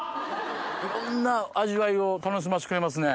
いろんな味わいを楽しませてくれますね。